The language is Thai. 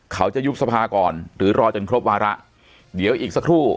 เขาจะยุบสภาก่อนหรือรอจนครบวาระเดี๋ยวอีกสักครู่